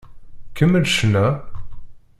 Kemmel ccna!